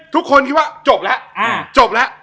ทุกคนคิดว่าจบแล้วจบแล้ว